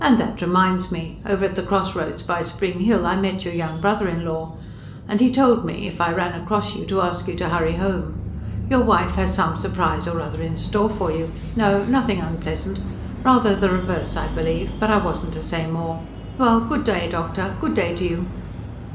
"And that reminds me: over at the cross roads by Spring Hill, I met your young brother in law. And he told me, if I ran across you to ask you to hurry home. Your wife has some surprise or other in store for you. No, nothing unpleasant! Rather the reverse, I believe. But I wasn't to say more. Well, good day, doctor, good day to you!"